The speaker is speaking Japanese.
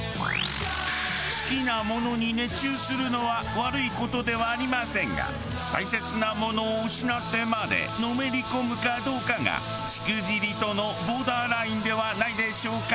好きなものに熱中するのは悪い事ではありませんが大切なものを失ってまでのめり込むかどうかがしくじりとのボーダーラインではないでしょうか？